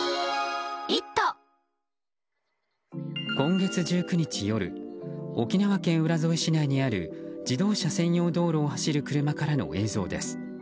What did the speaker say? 今月１９日夜沖縄県浦添市内にある自動車専用道路を走る車からの映像です。